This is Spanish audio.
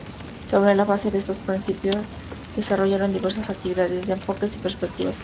Sobre la base de estos principios desarrollan diversas actividades desde enfoques y perspectivas plurales.